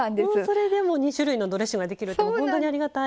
それでもう２種類のドレッシングができるって本当にありがたい。